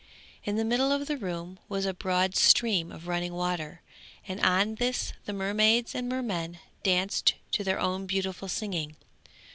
In the middle of the room was a broad stream of running water, and on this the mermaids and mermen danced to their own beautiful singing.